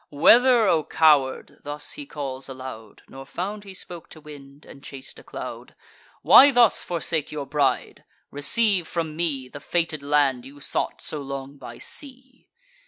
"Whether, O coward?" (thus he calls aloud, Nor found he spoke to wind, and chas'd a cloud,) "Why thus forsake your bride! Receive from me The fated land you sought so long by sea."